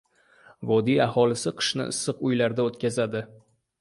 Vodiy aholisi qishni issiq uylarda o‘tkazadi